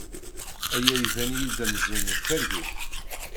Aya iban-iyi-d amzun d targit.